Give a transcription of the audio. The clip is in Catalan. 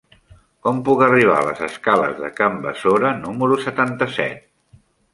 Com puc arribar a les escales de Can Besora número setanta-set?